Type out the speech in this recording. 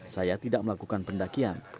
saya tidak melakukan pendakian